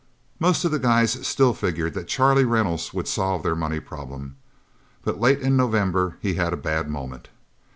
Most of the guys still figured that Charlie Reynolds would solve their money problem. But in late November he had a bad moment.